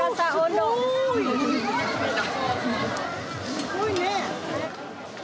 すごいね。